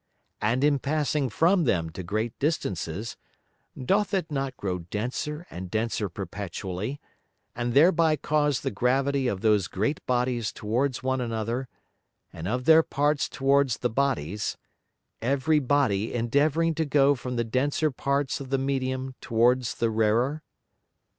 And in passing from them to great distances, doth it not grow denser and denser perpetually, and thereby cause the gravity of those great Bodies towards one another, and of their parts towards the Bodies; every Body endeavouring to go from the denser parts of the Medium towards the rarer?